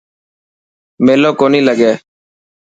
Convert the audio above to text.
ميلو ڪونهي لگي.